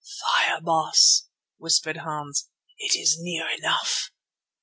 "Fire, Baas," whispered Hans, "it is near enough."